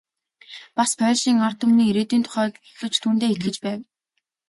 Бас польшийн ард түмний ирээдүйн тухай төлөвлөж, түүндээ итгэж байв.